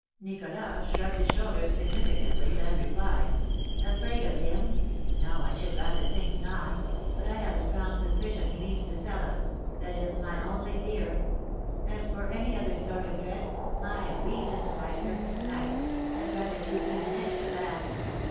Nicholas shrugged his shoulders significantly; then replied: "Afraid of him? No, I should rather think not! But I have a strong suspicion he means to sell us, that is my only fear; as for any other sort of dread, my weazen slicer (knife) has rather too keen an edge for that!"